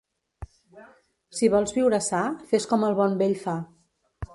Si vols viure sa, fes com el bon vell fa.